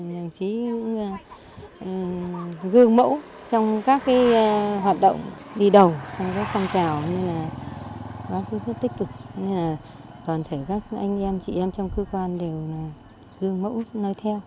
đồng chí cũng gương mẫu trong các hoạt động đi đầu trong phong trào nên là quá khứ rất tích cực nên là toàn thể các anh em chị em trong cơ quan đều là gương mẫu nói theo